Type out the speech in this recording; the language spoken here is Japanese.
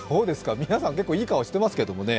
皆さん、結構いい顔してますけどね。